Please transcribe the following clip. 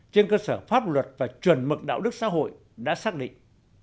trên cơ sở pháp luật và chuẩn mực đạo đức xã hội đã xác định